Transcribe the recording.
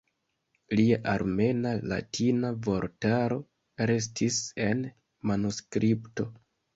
Lia armena-latina vortaro restis en manuskripto.